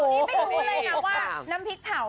นี่ไม่รู้เลยนะว่าน้ำพริกเผา